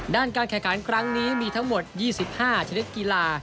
การแข่งขันครั้งนี้มีทั้งหมด๒๕ชนิดกีฬา